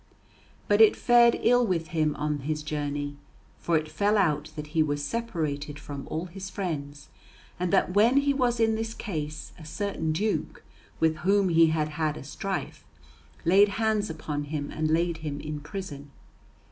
But it fared ill with him on his journey. For it fell out that he was separated from all his friends, and that when he was in this case a certain duke, with whom he had had a strife, laid hands upon him, and laid him in prison.